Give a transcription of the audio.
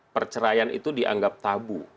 perceraian itu dianggap tabu